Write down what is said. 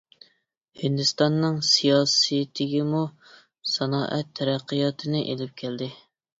ھىندىستاننىڭ سىياسىتىگىمۇ سانائەت تەرەققىياتىنى ئىلىپ كەلدى.